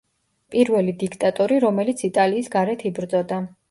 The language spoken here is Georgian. პირველი დიქტატორი, რომელიც იტალიის გარეთ იბრძოდა.